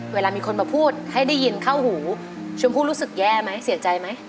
เวลามีคนมาพูดให้ได้ยินเข้าหูชมพู่รู้สึกแย่ไหมเสียใจไหม